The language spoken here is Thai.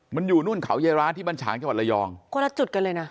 มันอยู่นู่นเขาเยร้านที่บรรฉางจังหวัดระยองคนละจุดกันเลยนะ